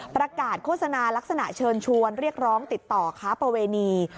ประกาศโฆษณาลักษณะเชิญชวนเรียกร้องติดต่อค้าประเวณี